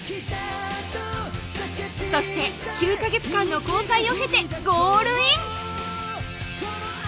そして９ヵ月間の交際を経てゴールイン！